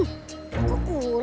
tengok ke kanan